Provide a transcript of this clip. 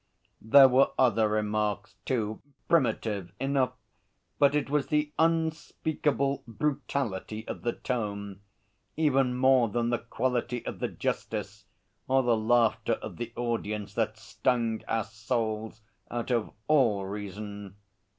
There were other remarks too primitive enough, but it was the unspeakable brutality of the tone, even more than the quality of the justice, or the laughter of the audience that stung our souls out of all reason.